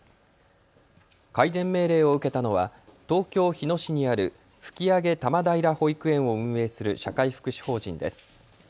改善命令を受けたのは東京日野市にある吹上多摩平保育園を運営する社会福祉法人です。